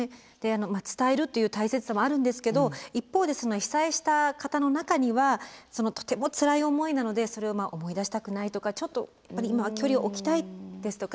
伝えるっていう大切さもあるんですけど一方で被災した方の中にはとてもつらい思いなのでそれを思い出したくないとかちょっとやっぱり今は距離を置きたいですとか